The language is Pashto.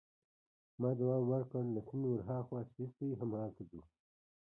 ما ځواب ورکړ: له سیند ورهاخوا سویس دی، همالته ځو.